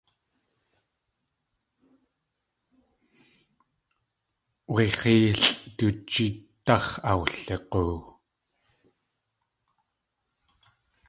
Wé x̲éelʼ du jíndáx̲ awlig̲oo.